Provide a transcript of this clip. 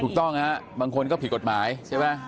ถูกต้องฮะบางคนก็ผิดกฎหมายใช่ไหม